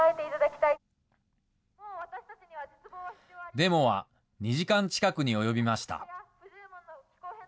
デモは２時間近くに及びました。